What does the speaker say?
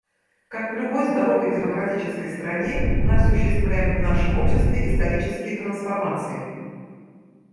Как в любой здоровой демократической стране, мы осуществляем в нашем обществе исторические трансформации.